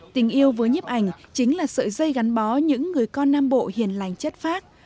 tình yêu với nhiếp ảnh chính là sợi dây gắn bó những người con nam bộ hiền lành chất phác